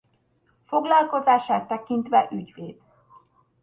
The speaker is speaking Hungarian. Foglalkozását tekintve ügyvéd.